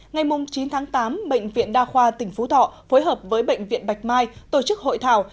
ngày chín tháng tám bệnh viện đa khoa tỉnh phú thọ phối hợp với bệnh viện bạch mai tổ chức hội thảo